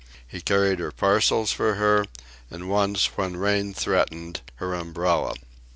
He carried her parcels for her, and once, when rain threatened, her umbrella.